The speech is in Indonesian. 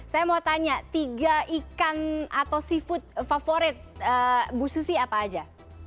saya mau tanya tiga ikan atau seafood favorit bu susi apa aja